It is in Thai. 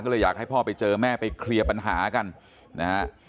ก็เลยอยากให้พ่อไปเจอแม่ไปเคลียร์ปัญหากันนะฮะ